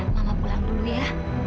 mama pulang dulu ya